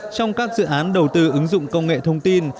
trong các dự án đầu tư ứng dụng công nghệ thông tin